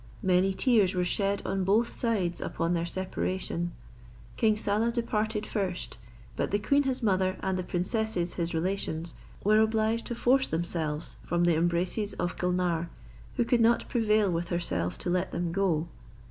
Many tears were shed on both sides upon their separation. King Saleh departed first; but the queen his mother and the princesses his relations were obliged to force themselves from the embraces of Gulnare, who could not prevail with herself to let them go.